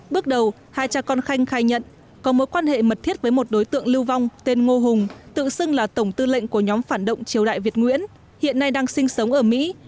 bước đầu hai cha con khanh khai nhận có mối quan hệ mật thiết với một đối tượng lưu vong tên ngô hùng tự xưng là tổng tư lệnh của nhóm phản động triều đại việt nguyễn hiện nay đang sinh sống ở mỹ